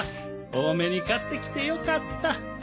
多めに買ってきてよかった。